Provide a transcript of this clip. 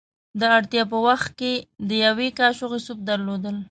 د اړتیا په وخت کې د یوې کاشوغې سوپ درلودل.